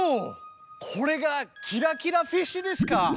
これがキラキラフィッシュですか！